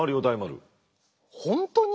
本当に？